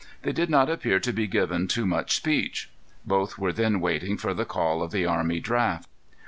They did not appear to be given, to much speech. Both were then waiting for the call of the army draft.